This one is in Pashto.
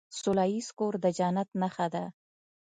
سوله ایز کور د جنت نښه ده.